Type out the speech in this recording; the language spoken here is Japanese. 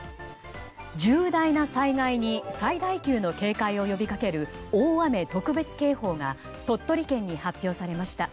重大な災害に最大級の警戒を呼びかける大雨特別警報が鳥取県に発表されました。